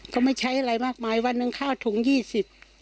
ก็ไม่ใช้อะไรมากมายวันหนึ่งข้าวถุงยี่สิบ